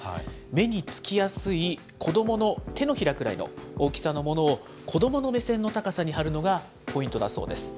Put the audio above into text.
目につきやすい子どもの手のひらくらいの大きさのものを、子どもの目線の高さに貼るのがポイントだそうです。